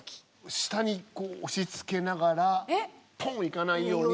下にこう押しつけながらポーンいかないように。